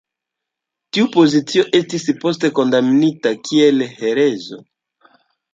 Tiu pozicio estis poste kondamnita kiel herezo.